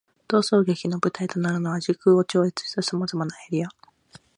逃走劇の舞台となるのは、時空を超越した様々なエリア。